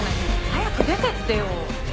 早く出てってよ。